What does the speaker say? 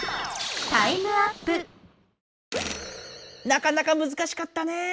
なかなかむずかしかったねぇ。